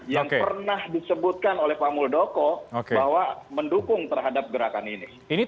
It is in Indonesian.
yang pernah disebutkan oleh pak muldoko bahwa mendukung terhadap gerakan ini